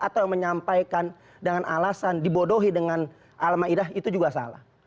atau menyampaikan dengan alasan dibodohi dengan al ma'idah itu juga salah